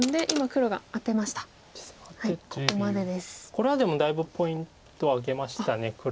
これはでもだいぶポイントを挙げました黒。